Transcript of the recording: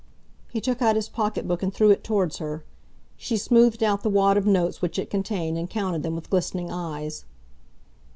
He took out his pocketbook and threw it towards her. She smoothed out the wad of notes which it contained and counted them with glistening eyes.